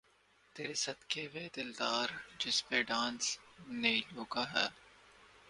''تیرے صدقے وے دلدارا‘‘ جس پہ ڈانس نیلو کا ہے۔